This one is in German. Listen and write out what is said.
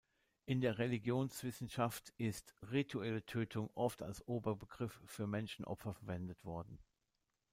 In der Religionswissenschaft ist „rituelle Tötung“ oft als Oberbegriff für Menschenopfer verwendet worden.